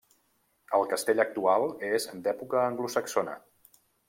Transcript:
El castell actual és d'època anglosaxona.